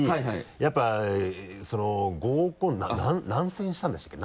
やっぱ合コン何戦したんでしたっけ？